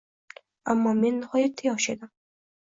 Ammo men nihoyatda yosh edim